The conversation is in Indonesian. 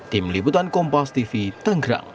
tim liputan kompas tv tanggerang